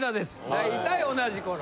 大体同じ頃。